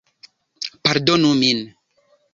Pardonu min.